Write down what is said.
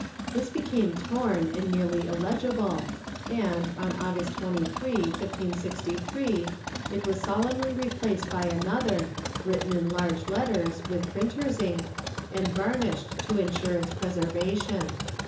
This became torn and nearly illegible and, on August 23, 1563, it was solemnly replaced by another, written in large letters, with printer's ink, and varnished to insure its preservation.